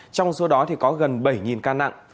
trong số đó thì có gần bảy ca nặng